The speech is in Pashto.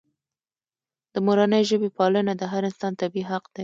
د مورنۍ ژبې پالنه د هر انسان طبیعي حق دی.